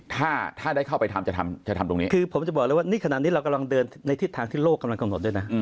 ถ้าได้เข้าไปทำผ่านแหล่วเลยจะทำตรงนี้